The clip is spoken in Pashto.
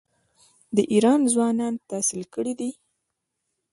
د ایران ځوانان تحصیل کړي دي.